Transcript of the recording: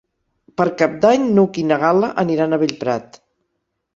Per Cap d'Any n'Hug i na Gal·la aniran a Bellprat.